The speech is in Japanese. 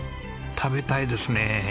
食べたいですねえ。